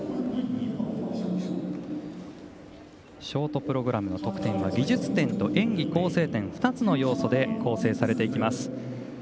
ショートプログラムの得点は技術点と演技構成点２つの要素で構成されます。